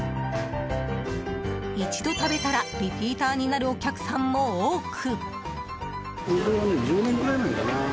一度食べたらリピーターになるお客さんも多く。